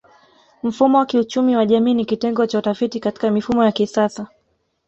Mfumo wa kiuchumi wa jamii ni kitengo cha utafiti Katika mifumo ya kisasa